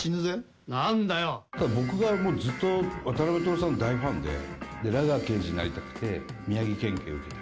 僕がもうずっと渡辺徹さんの大ファンで、ラガー刑事になりたくて、宮城県警を受けた。